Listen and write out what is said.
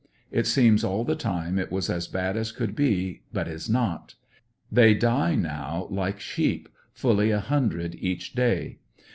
It seems all the time it was as bad as could be, but is not. They die now like sheep — fully a hundred each day.